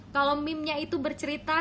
kalau meme nya itu bercerita